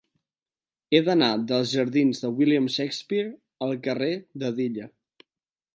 He d'anar dels jardins de William Shakespeare al carrer d'Hedilla.